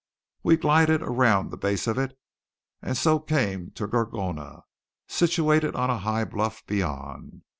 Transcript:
We glided around the base of it, and so came to Gorgona, situated on a high bluff beyond.